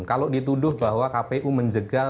kalau dituduh bahwa kpu menjegal